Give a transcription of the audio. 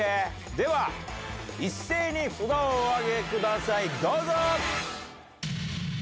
では一斉に札をおあげください、どうぞ！